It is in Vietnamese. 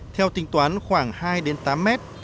theo tính toán khoảng hai tám mét